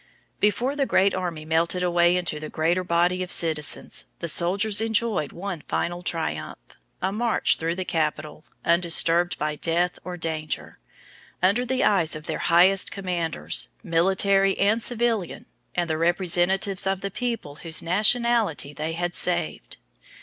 Before the great army melted away into the greater body of citizens, the soldiers enjoyed one final triumph, a march through the capital, undisturbed by death or danger, under the eyes of their highest commanders, military and civilian, and the representatives of the people whose nationality they had saved.